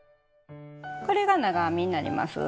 これが長編みになります。